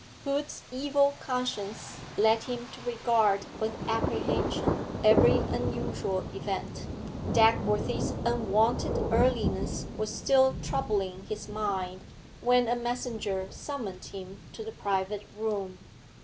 Hood's evil conscience led him to regard with apprehension every unusual event. Dagworthy's unwonted earliness was still troubling his mind, when a messenger summoned him to the private room.